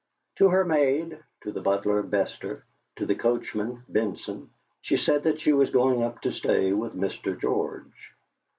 To her maid, to the butler Bester, to the coachman Benson, she said that she was going up to stay with Mr. George.